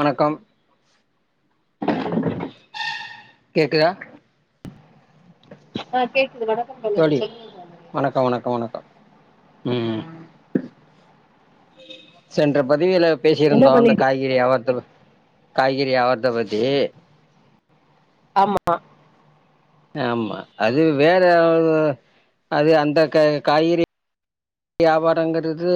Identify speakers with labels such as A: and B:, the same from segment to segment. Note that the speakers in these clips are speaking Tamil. A: வணக்கம் கேக்குதா
B: ஆ கேக்
A: தோழி வணக்கோ வணக்கோ வணக்கோ ம் சென்ற பதிவில
B: என்ன
A: பேசியிருந்தோ அந்த
B: பண்ணிட்டு
A: காய்கறி யவார்த்த காய்கறி யவார்த்த பத்தி
B: ஆம்மா
A: ஆமா அது வேற அது அந்த காய் காய்கறி வியாபாரங்கிறது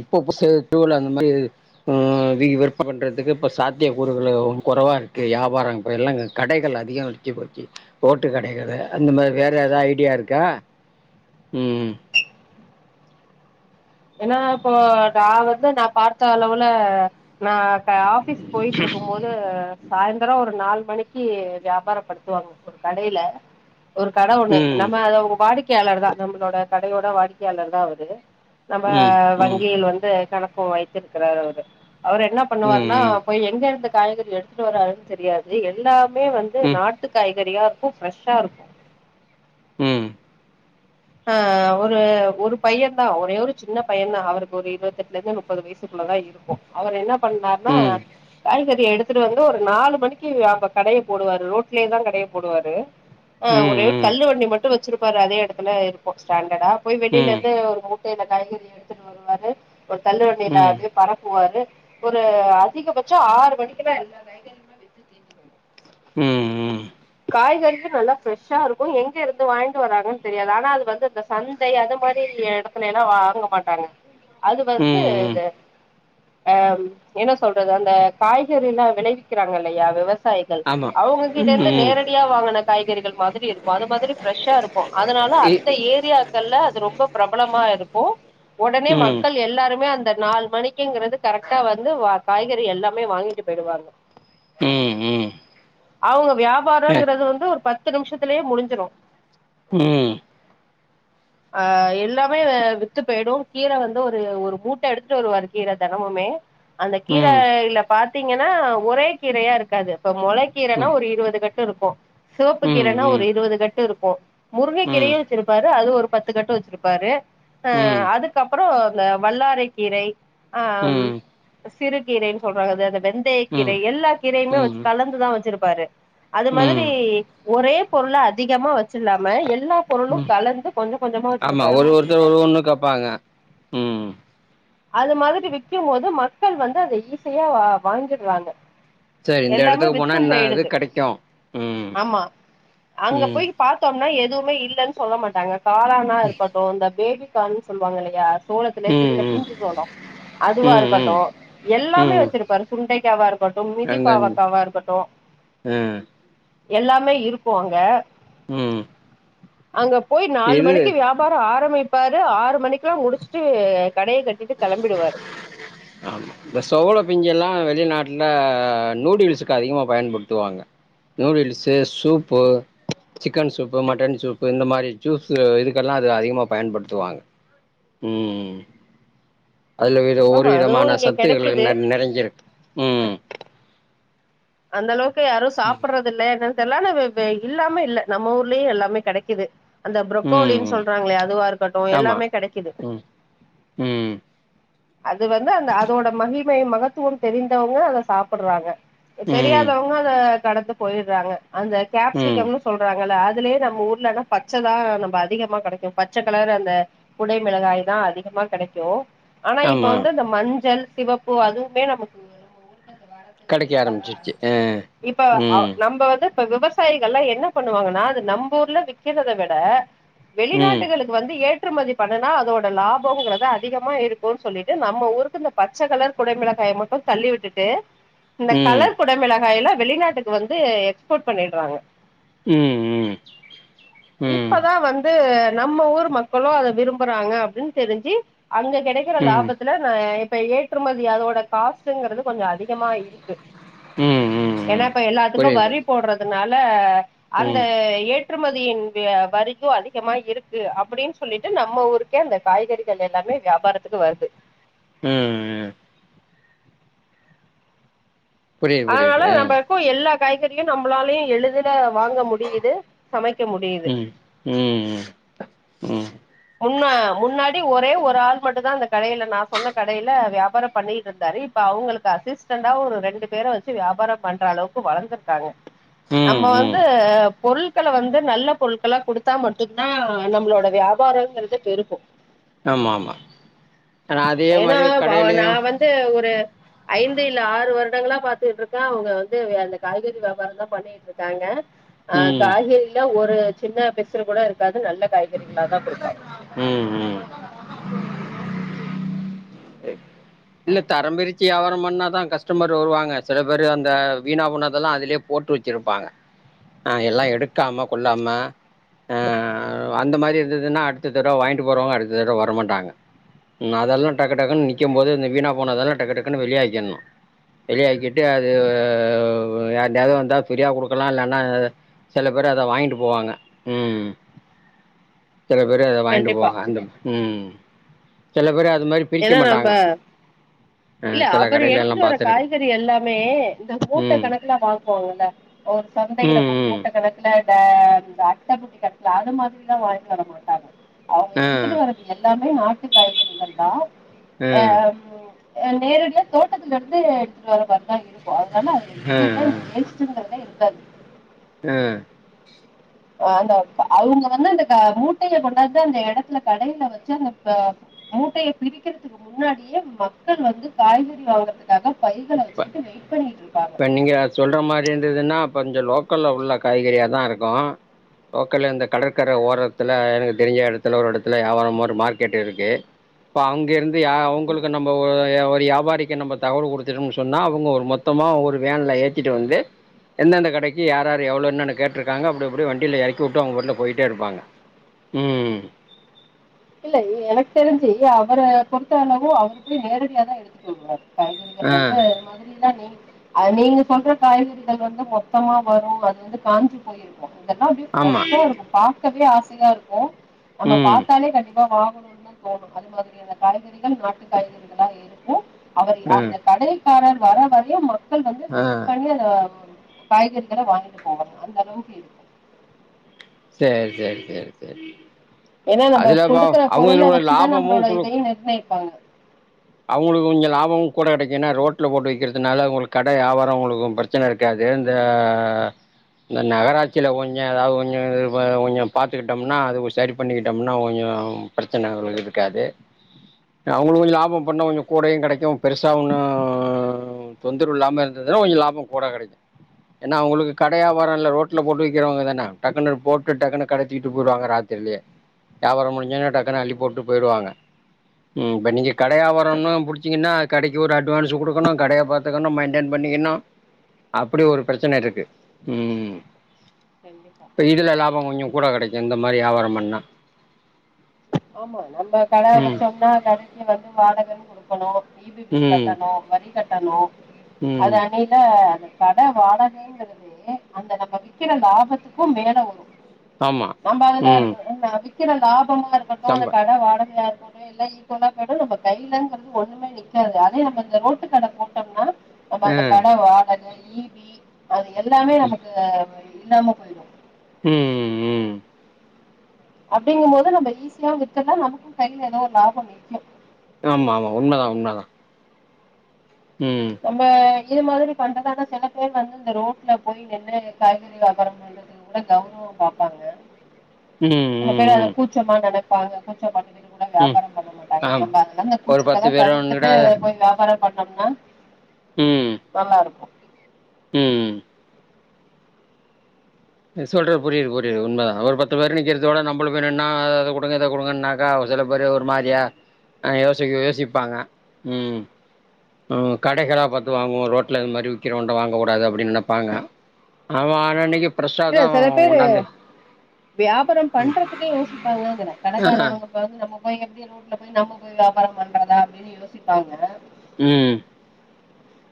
A: இப்போ புஸ்சு தூள அந்த மாரி இரு ம் வீ வர் இப்ப பண்ணுறதுக்கு இப்ப சாத்தியக் கூறுகள் கொறவாருக்கு வியாபார இப்டியெல்லா கடைகள் அதிக வச்சி போச்சி ஓட்டு கெடைக்கற அந்த மாரி வேற எதா ஐடியா இருக்கா ம்
B: ஏனா இப்போ நா வந்து நா பார்த்த அளவுல நா அட்ட ஆபிஸ் போயிற்ருக்கு மோது சாய் அப்றோ ஒரு நாலு மணிக்கி வியாபாரப் படுத்துவாங்க ஒரு கடயில ஒரு கட ஒண்ணு
A: ம்
B: நம்ம அத அவுங்க வாடிக்கையாளர் தா நம்மளோட கடையோட வாடிக்கையாளர் தா அவரு நம்ம
A: ம் ம்
B: வங்கியில் வந்து கணக்கு வைத்திருக்கிறார் அவரு அவர் என்ன பண்ணுவார்னா
A: ம் ம்
B: போய் எங்க இருந்த காய்கறி எடுத்துட்டு வரார்ன் தெரியாது எல்லா மே வந்து
A: ம்
B: நாட்டு காய்கறியாருக்கு ஃப்ரெஷ்ஷா இருக்கு
A: ம் ம்
B: ஆ ஒரு ஒரு பைய தா ஒரே ஒரு சின்ன பைய தா அவருக்கு ஒரு இருவத்தெட்லந்து நுப்பது வயசுக்கு [unintelligible] தா இருக்கு அவர் என்னா பண்ணார்னா காய்கறி எடுத்துட்டு வந்து ஒரு நாலு மணிக்கு அப்ப கடய போடுவாரு ரோட்லேயே தா கடய போடுவாரு ஆ
A: ம்
B: ஒரே
A: ம்
B: தள்ளு வண்டி மட்டு வெச்சிருப்பாரு அதே எடத்து துல இருக்கு ஸ்டாண்டடா போய்
A: ம் ம்
B: வெளியிலருந்து ஒரு மூட்டையில காய்கறி எடுத்துட்டு வருவாறு ஒரு தள்ளுவன்டி அ அப்டியே பரப்புவாரு ஒரு அதிகபட்சோ ஆறு மணிக்கெல்லா எல்லா காய்
A: ம் ம்
B: காய்கறிகள் நல்லா ஃபிரஷ்ஷாருக்கு எங்க இருந்து வாய்ங்ட்டு வராங்கன் தெரியாது ஆனா அது வந்து இந்த சந்தை அது இந்த மாரி யடத்துல எல்லா வாங்க மாட்டாங்க அது வந்து
A: ம்
B: அ என்ன சொல்றது அந்த காய்கறிலா விளைவிக்கிறாங்க இல்லையா விவ சாயிகள்
A: ஆமா
B: அவுங்க
A: ம்
B: கிட்டருந் து
A: ம்
B: நேரடியா வாங்குன காய்கறிகள் மாதிரி இருக்கு அது மாதிரி ஃப்ரஷ்ஷா இருக்கு அதனால
A: இ
B: அந்த ஏரியாக்ல்ல அது ரொம்ப பிரபலமா இருக்கு ஒடனே
A: ம்
B: மக்கள் எல்லாருமே அந் தட் நாலு மணிக்கிங்கிறது கரெக்டா வந்து வ காய்கறி எல்லாமே வாங்கிட்டு போய்டுவாங்க
A: ம் ம்
B: அவுங்க
A: அ
B: வியாபாரங்குறது வந்து ஒரு பத்து நிமிஷத்திலேயே முடிஞ்சிரு
A: ம்
B: ஆ எல்லாமே வித்து பேய்டு கீர வந்து ஒரு ஒரு மூட்ட எடுத்துட்டு வருவாரு கீர தெனமுமே அந்த
A: ம் ம் ம் ம் ம் ம் ம்
B: கீரயில பாத்தீங்கன்னா ஒரே கீரையா இருக்காது இப்ப மொளக்கீரனா ஒரு இருவது கட்டு இருக்கு சிவப்பு கீரனா ஒரு இருவது கட்டு இருக்கு முருங்கை கீரையு வச்சிருப்பாரு அது ஒரு பத்து கட்டு வச்சிருப்பாரு அ
A: ம்
B: அதுக்கப்றோ இந்த வல்லாறை கீரை ஆம்
A: ம் ம்
B: சிறு கீரைன் சொல்றாங்க அந்த அந்த வெந்தய கீரை எல்லா கீரையுமே வச்சு கலந்துதா வச்சிருப்பாரு அது மாதிரி ஒரே பொருள அதிகமா வச்சிலாம எல்லா பொருளு கலந்து கொஞ்சம் கொஞ்சமா
A: ஆமா
B: வச்சிருப்பாரு
A: ஒரு ஒருத்தர் ஒரு ஒண்ணு கேப்பாங்க ம்
B: அது மாதிரி விக்கு போது மக்கள் வந்து அத ஈஸியா வாங்கிட்றாங்க
A: சரி இந்த
B: எல்லாமே
A: எடத்துக்கு போனா
B: வித்து
A: என்ன இது
B: போய்டுது
A: கெடைக்கு ம்
B: ஆமா அங்க
A: ம்
B: போயி பாத்தோம்னா எது எதுவுமே இல்லன் சொல்ல மாட்டாங்க காளானா இருக்கட்டு அந்த பேபி கான் சொல்வாங்க இல்லையா சோளத்திலே
A: ம்
B: சின்ன
A: ம்
B: பிஞ்சி சோளோ அதுவா
A: ம் ம்
B: இருக்கட்டு எல்லாமே
A: ம்
B: வச்சிருப்பாரு சுண்டைக்காவா இருக்கட்டு மிதி
A: அங்க
B: பாவக்காவா இருக்கட்டு
A: ம்
B: எல்லாமே இருக்கு அங்க
A: ம்
B: அங்க போய் நாலு
A: இது
B: மணிக்கு வியாபாரோ ஆரமிப்பாரு ஆறு மணிக்ல்லா முடிச்சுட்டு கடைய கட்டிட்டு கெளம்பிடுவாரு
A: ஆமா இந்த சோள பிஞ்சி எல்லா வெ வெளிநாட்ல நூடுல்ஸ்க்கு அதிகமா பயன்படுத்துவாங்க noodles soup chicken soup mutton soup இந்த மாரி ஜூஸ்சு இதுக்கெல்லா அது அதிகமா பயன் படுத்துவாங்க ம் அதுல விட ஒரு
B: ஆமா அதுவு
A: விதமான
B: இங்க
A: சத்துகள்
B: கெடைக்குது
A: நிறைஞ்சிருக் ம்
B: அந்த அளவுக்கு யாரும் சாப்பிறதுல்ல அதா தெருஞ் ல்லானு வே இல்லாம இல்ல நம்ம ஊர்லயும் எல்லாமே கிடைக்குது அந்த
A: ம்
B: புரொக்கோலின்னு
A: ம்
B: சொல்றாங்களோ அதுவா இருக்கட்டும்
A: ஆமா
B: எல்லாமே கிடைக்கிது
A: ம் ம்
B: அது வந்து அந்த அதோட மகிமை மகத்துவம் தெரிந்தவங்க அதை சாப்பிடுறாங்க
A: ம்
B: தெரியாதவங்க அத கடத்து போயிடுறாங்க அந்த
A: ம்
B: கேப்சிகம்ன்னு சொல்றாங்கல்ல அ துலயே நம்ம ஊர்ல பச்சை தான் நம்ம அதிகமா கிடைக்கும் பச்சை கலர் அந்த குடை மிளகாய் தான் அதிக மா கிடைக்கும் ஆனா இப்ப
A: ஆமா
B: வந்து அந்த மஞ்சள் சிவப்பு அதுவுமே நமக்கு
A: கெடைக்க ஆரம்பிச்சிருச்சு ஆ
B: இப்ப
A: ம்
B: நம்ம வந்து இப்ப விவசாயிகள் எல்லாம் என்ன பண்ணுவாங்கன்னா அது நம்ம ஊர்ல விற்கிறதை விட
A: ம்
B: வெளிநாட்டுகளுக்கு வந்து ஏற்றுமதி பண்ணனா அதோட லாபம்ங்கிறது அதிகமா இருக் கோனு சொல்லிட்டு நம்ம ஊருக்கு இந்த பச்சை கலர் குடைமிளகாயை மட்டும் தள்ளி விட்டுட்டு இந்த
A: ம்
B: கலர் குடைமிளகாய எல்லாம் வெளிநாட்டுக்கு வந்து எக்ஸ்போர்ட் பண்ணிடுறாங்க
A: ம் ம் ம்
B: இப்பதான் வந்து நம்ம ஊர் மக்களும் அதை விரும்புறாங்க அப்படின்னு தெரிஞ்சு அங்க கிடைக்கிற
A: ம்
B: லாபத்துல நான் இப்ப ஏற்றுமதி அதோட காஸ்டுங்கிறது கொஞ்சம் அதிகமா இருக்கு
A: ம் ம்
B: ஏன்னா
A: ம்
B: இப்ப எல்லாத்துக்கும்
A: புரியுது
B: வரி
A: புரியுது
B: போடுறதுனால அந்த
A: ம்
B: ஏட் ற்றுமதியின் வே வரிக்கும் அதிகமா இருக்கு அப்படின்னு சொல்லிட்டு நம்ம ஊருக்கே அந்த காய்கறிகள் எல்லாமே வியாபாரத்துக்கு வருது
A: ம் ம் புரியுது புரியுது
B: அதனால
A: ஆ
B: நம்ம இப்போ இருக்கும் எல்லா காய்கறியும் நம்மளால எளுதில வாங்க முடியுது சமைக்க முடியுது
A: ம் ம் ம் ம்
B: முன்ன முன்னாடி ஒரே ஒரு ஆள் மட்டும் தான் அந்த கடையில நான் சொன்ன கடையில வியாபாரம் பண்ணிட்டு இருந்தாரு இப்ப அவங்களுக்கு அசிஸ்டன்டா ஒரு ரெண்டு பேரை வச்சி வியாபாரம் பண்ற அளவுக்கு வளர்ந்துருக்காங்க
A: ம்
B: நம்ம வந்து
A: ம்
B: பொருள் மக்களை வந்து நல்ல பொருட்களா கொடுத்தா மட்டும்தான் நம்மளோட வியாபாரங்கன்ரது பெருகும்
A: ஆமா ஆமா ஆனா அதே
B: ஏன்னா
A: மாரி
B: வா
A: கடையிலயு
B: நான் வந்து ஒரு ஐந்து இல்ல ஆறு வரு டங்களாம் பாத்துட்டு இருக்கேன் அவங்க வந்து அந்த காய்கறி வியாபாரம் தான் பண்ணிட்டு இருக்காங்க ஆ
A: ம் ம்
B: காய்கறிலே ஒரு சின்ன பிசுரு கூட இருக்காது நல்ல காய்கறி
A: ம் ம் இல்ல தரம்பிரிச்சி வியாபாரம் பண்ணாதான் கஸ்டமர் வருவாங்க சில பேரு அந்த வீணாபோனதெல்லாம் அதுலயே போட் போட்டு வச்சிருப்பாங்க ஆ எல்லாம் எடுக்காம கொள்ளாம இந்ததுனா அடுத்த தடவை வாங்கிட்டு போறவங்க அடுத்த தடவை வர மாட்டாங்க அதெல்லாம் டக்கு டக்குன்னு நிக்கும் போது இந்த வீணா போனதெல்லாம் டக்கு டக்குன்ன வெளியாக்கிணும் வெளியாக்கிட்டு அது யாருட்யாவது வந்தா பிரியா கொடுக்கலாம் இல்ன்னா சில பேர் அத வாங்கிட்டு போவாங்க உம் சில பேர் அதை வாங்கிட்டு
B: கண்டிப்பா
A: போவாங்க அந்த உம் சில பேரு அத மாரி பிரிக்க
B: ஏன்னா நம்ப
A: மாட்டாங்க ஆ
B: இல்ல
A: சில
B: அவரு
A: கடையில
B: எடுத்துட்டு
A: எல்லாம்
B: வரற
A: பாத்துருக்கேன்
B: காய்கறி எல்லாமே இந்த மூட்ட
A: ம்
B: கணக்கெல்லாம் வாங்குவாங்கல்ல ஒரு சந்தையில
A: ம்
B: போய்
A: ம்
B: மூட்ட கணக்குல இந்த அட்டபெட்டி கட்டல அது மாதிரில்லா வாய்னு வர மாட்டாங்க அவங்க
A: ஆ
B: எடுத்துட்டு வர்றது எல்லாமே நாட்டு காய்கறிகள் தான்
A: ஆ
B: ஆஹ் நேரடியா தோட்டத்துல இருந்து எடுத்துட்டு வர மாரி தான் இருக்கு அதனால அதுல
A: ஆ
B: எதுவுமே அந்த வேஸ்டுங்ரதே இருக்காது
A: ஆஹ்
B: அந்த அவுங்க வந்து அந்த மூட்டையை கொண்டாந்து அந்த இடத்துல கடையில வச்சு அந்த ப மூட்டையை பிரிக்கிறதுக்கு முன்னாடியே மக்கள் வந்து காய்கறி வாங்கறதுக்காக
A: இப்ப இப்ப நீங்க சொல்ற மாதிரி இருந்ததுன்னா கொஞ்சம் லோக் உட்க்கொல்ல உள்ள காய்கறியாதா இருக்கு லோக்கல்ல இந்த கடற்கர ஓரத்துல எனக்கு தெரிஞ்ச எடத்துல ஒரு எடத்துல வியாபரோ ஒரு மார்க்கெட் இருக்கு இப்ப அங்க இருந்து யா அவங்களுக்கு நம்ம ஒரு வியாபாரிக்கு நம்ம தகவல் கொடுத்து டோம்னு சொன்னா அவங்க ஒரு மொத்தமா ஒரு வேன்ல ஏத்திட்டு வந்து எந்தெந்த கடைக்கு யார் யார் எவ்வளவு என்னன்னு கேட்டுருக்காங்க அப்பிடி அப்பிடி வண்டியில எறக்கி விட்டு அவங்க வீட்டுல போயிட்டே இருப்பாங்க உம்
B: இல்ல எனக்கு தெரிஞ்சு அவர பொறுத்த அளவு அவரு போய் நேரடியா தா எடுத்துட்டு வருவாரு காய்கறிகள்
A: ஆ
B: வந்து அது மாதிரி தா நீங் அ நீங்க சொல்ற காய்கறிகள் வந்து மொத்தமா வரு அது வந்து காஞ்சு போயிருக்கு இதெல்லா அப்பிடியே
A: ஆமா
B: ப்ரெஷ்ஷா இருக்கு பாக்கவே ஆசையா இருக்கு நம்ம
A: ம்
B: பாத்தாலே கண்டிப்பா ரொம்ப வாங்கணுனே தோணு அது மாதிரியேதா காய்கறிகள் நாட்டு காய்கறிகளா இருக்கு அவர்
A: ஆ
B: அந்த கடைக்காரர் வர வரையு மக்கள் வந்து
A: ஆ
B: வெயிட் பண்ணி அத ம் காய்கறிகள வாங்கிட்டு போவாங்க அந்த அளவுக்கு இருக்கு
A: செரி செரி செரி செரி
B: ஏன்னா நம்ம
A: அதுலப்போ
B: கொடுக்குற பொருளை
A: அவங்ககிட்ட
B: வச்சுதான்
A: லாபமு
B: நம்மளோட
A: குடுக்கு
B: இதையும் நிர்ணயிப்பாங்க
A: அவங்களுக்கு கொஞ்சு லாபமு கூட கெடைக்கு ஏன்னா ரோட்ல போட்டு வெக்கிறதுனால உங்களுக்கு கடே வியாபாரோ உங்களுக்கு பிரச்சனே இருக்காது தெந்த இந்த நகராட்சியில கொஞ்சு ஏதாவது கொஞ்சு கொஞ்சு பாத்துக்கிட்டோம்னா அது சரி பண்ணிக்கிட்டோம்னா ஒயோ நா பிரச்சனே அவங்களுக்கு இருக்காது அவங்களுக்கு கொஞ்சு லாபம் பண்ணா கொஞ்சு கூடையு கெடைக்கு பெருச ஒன்னு தொந்தரவு இல்லாம இருந்ததுன்னா கொஞ்சு லாபம் கூட கெடைக்கு ஏன்னா அவங்களுக்கு கடையா வியாபாரோ இல்ல ரோட்ல போட்டு விக்கிறவங்க தானே டக்குன்ன போட்டு டக்குனு கடைய தூக்கிட்டு போயிடுவாங்க ராத்தி இல்லையே வியாபாரோ முடிஞ்சோனே டக்குன்ன
B: ஆமா
A: அள்ளி
B: ஆமா
A: போட்டு போயிடுவாங்க இப்ப நீங்க கடே வியாபாரோ [unintelligible] புடிச்சிங்கன்னா கடைக்கு ஒரு அட்வான்ஸ் குடுக்கணு கடையா பாத்துக்கணு மெயின்டேன் பண்ணிக்கினு அப்படி ஒரு பிரச்சன இருக்கு உம்
B: கண்டிப்பா
A: இப்ப இதுல லாபோ கொஞ்சு கூட கெடைக்கு இந்த மாரி வியாபாரோ பண்ணா
B: ஆமா நம்ம இடே
A: ம்
B: வச்சோம்னா கடைக்கு வந்து வாடகைன்னு குடுக்கணு ஈபிபில்
A: ம்
B: கட்டணு வரி கட்டணு
A: ம்
B: அது அணியில அது கடை வாடகங்கறதே அந்த நம்ம விக்கிற லாபத்துக்கு மேல வரு
A: ஆமா
B: நம்ம
A: ம்
B: அதுல விக்கிற லாபமா இருக்கட்டு அந்த
A: சம்ப
B: கடே வாடகையா இருக்க எல்ல ஈ கொலா கடை நம்ம கையிலங்கிறது ஒண்ணுமே நிக்காது அதே நம்ம இந்த ரோட்டு கடே போட்டோம்னா நம்ம
A: ஆ
B: அந்த கடே வாடகே ஈபி அது எல்லாமே நமக்கு இல்லாம போயிடு
A: உம் உம்
B: அப்டிங்கும்போது நம்ம ஈஸியா வித்திர்லா நமக்கு கைல எதோ ஒரு லாபோ நிக்கு
A: ஆமா ஆமா உண்மதா உண்மதா ம்
B: நம்ப இது மாதிரி பண்றதால செல பேர் வந்து இந்த ரோட்ல போய் நின்னு காய்கறி வியாபாரோ பண்ணிர் இவுங்கூட கௌரவோ பாப்பாங்க
A: ம்
B: சில
A: ம்
B: பேர் அத
A: ம்
B: கூச்சமா நெனைப்பாங்க கூச்சபட் என்னென்னமோலா
A: ம்
B: வியாபாரோ பண்ண மாட்டாங்க
A: ஆமா
B: நம்ம அதெல்லா
A: ஒரு பத்து
B: கூச்சத்தெல்லா தவிர்த்துட்டு
A: பேரோன்னுடா
B: போய் வியாபாரோ பண்ணோம்னா
A: ம்
B: நல்லாருக்கு
A: ம் சொல்றது புரியுது புரியுது உண்மதா அவர் பத்து பேர் நிக்கிறதோட நம்மளு போய் நின்னா அத குடுங்க இத குடுங்கனாக்கா சில பேரு ஒரு மாரியா அ யோசிக்க யோசிப்பாங்க ம் ஆ கடைகளா பாத்து வாங்குவோ ரோட்ல இது மாரி விக்கிறவன்ட்ட வாங்க கூடாது அப்டின் நெனைப்பாங்க அவ் வாரன்னிக்கி
B: இல்ல
A: பிரசாதோ
B: சில பேரு
A: கொண்டாந்து
B: வியாபாரம் பண்றதுக்கே யோசிப்பாங்கங்கிற
A: ஆ
B: கடக்காரங்க வந்து நம்ம போய் எப்டி ரோட்ல போய் நம்ம போய் வியாபாரம் பண்றதா அப்டினு யோசிப்பாங்க
A: ம்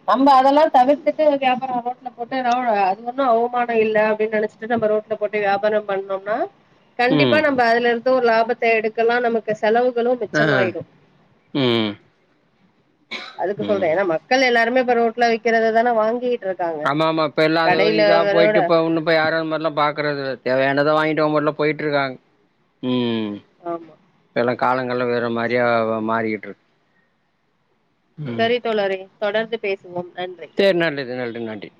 B: நம்ம அதெல்லா தவிர்த்துட்டு வியாபாரோ ரோட்ல போட்டேனா அது ஒன்னு அவுமானோ இல்ல அப்டின் நெனச்சிட்டுதா ம ரோட்ல போட்டு வியாபார பண்ணோம்னா கண்டிப்பா
A: ம்
B: நம்ம அதுலருந்து ஒரு லாபத்த எடுக்கலா நமக்கு செலவுகளு
A: ஆ
B: மிச்சமாயிடு
A: ம்
B: அதுக்கு
A: ம்
B: சொல்றே ஏனா மக்கள் எல்லாருமே இப்ப ரோட்ல விக்கிறத தானே வாங்கி
A: ஆமாமா இப்பல்லா அது ஒரு இதா
B: விட
A: போயிட்டுப்ப ஒன்னு இப்போ யாரு அதுமாரிலா பாக்குறது இல்ல தேவையானத வாங்கிட்டு அவுங் மோட்டுல போயிட்ருக்காங் ம்
B: ஆமா
A: தெல காலங்கள் வேற மாதிரியா மாறிக்கிட்டு இருக்கு
B: செரி தோழரே தொடர்ந்து பேசுவோம் நன்றி
A: சேர் நன்றி நன்றி நன்றி